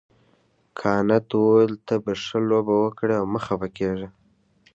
کانت وویل ته به ښه لوبه وکړې او مه خفه کیږه.